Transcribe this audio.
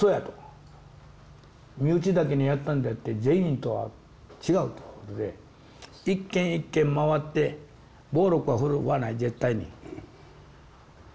身内だけにやったんであって全員とは違うということで一軒一軒回って暴力は振るわない絶対に。